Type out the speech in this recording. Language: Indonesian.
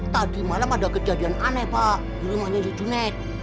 tadi malam ada kejadian aneh di rumahnya si junet